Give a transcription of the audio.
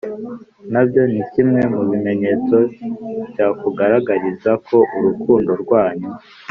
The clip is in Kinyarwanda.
nabyo ni kimwe mu bimenyetso cyakugaragariza ko urukundo rwanyu